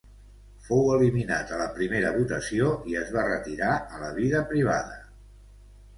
Fou eliminat a la primera votació i es va retirar a la vida privada.